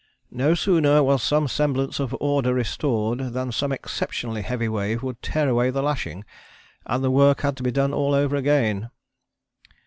"No sooner was some semblance of order restored than some exceptionally heavy wave would tear away the lashing, and the work had to be done all over again."